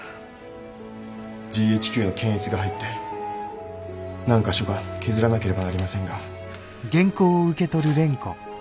ＧＨＱの検閲が入って何か所か削らなければなりませんが。